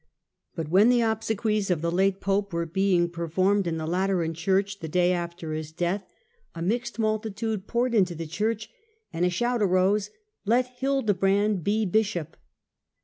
But when the obsequies of the late pope were being performed in the Lateran Church the day after his death, a mixed multitude poured Digitized by VjOOQIC QO HlLDEBRAND into the church and a shout arose, *Let Hildebrand be bishop!'